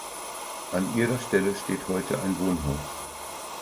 An ihrer Stelle steht heute ein Wohnhaus.